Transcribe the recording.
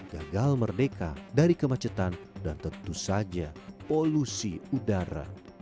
gagal merdeka dari kemacetan dan tentu saja polusi udara